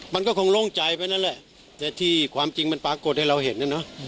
มันก็คงโล่งใจไปนั่นแหละแต่ที่ความจริงมันปรากฏให้เราเห็นน่ะเนอะ